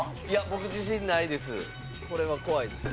僕自信ないです。